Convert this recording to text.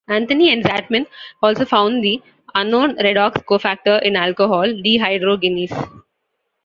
Anthony and Zatman also found the unknown redox cofactor in alcohol dehydrogenase.